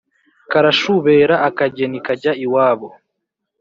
Karashubera-Akageni kajya iwabo.